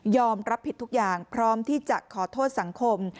รับผิดทุกอย่างพร้อมที่จะขอโทษสังคม